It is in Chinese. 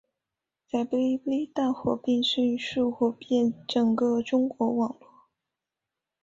在哔哩哔哩大火并迅速火遍整个中国网络。